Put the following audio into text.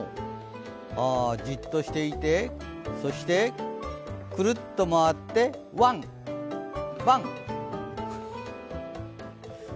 じっとしていて、そしてクルッと回ってワン、ワン。